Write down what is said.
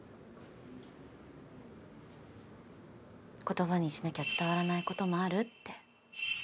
言葉にしなきゃ伝わらない事もあるって。